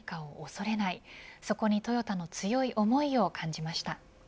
そこにトヨタの強い思いを感じました。